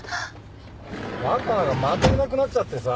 若菜がまたいなくなっちゃってさ。